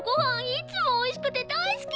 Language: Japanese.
いつもおいしくて大好き！